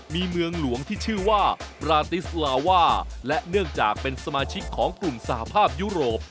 มีเมืองหลวงที่ชื่อว่าบราติสลาว่าและเนื่องจากเป็นสมาชิกของกลุ่มสหภาพยุโรป